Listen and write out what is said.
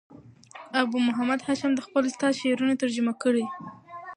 ابو محمد هاشم دخپل استاد شعرونه ترجمه کړي دي.